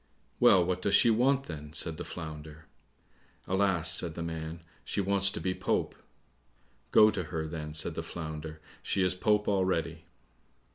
"Well, what does she want, then?" said the Flounder. "Alas," said the man, "she wants to be Pope." "Go to her then," said the Flounder; "she is Pope already."